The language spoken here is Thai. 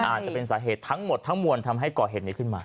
อาจจะเป็นสาเหตุทั้งหมดทั้งมวลทำให้ก่อเหตุนี้ขึ้นมา